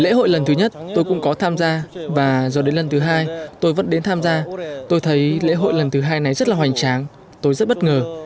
lễ hội lần thứ nhất tôi cũng có tham gia và rồi đến lần thứ hai tôi vẫn đến tham gia tôi thấy lễ hội lần thứ hai này rất là hoành tráng tôi rất bất ngờ